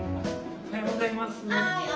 おはようございます。